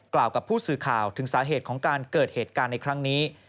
กับผู้สื่อข่าวถึงสาเหตุของการเกิดเหตุการณ์ในครั้งนี้